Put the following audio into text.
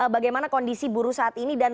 bagaimana kondisi buruh saat ini dan